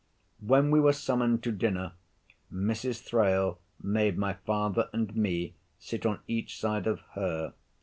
When we were summoned to dinner, Mrs. Thrale made my father and me sit on each side of her.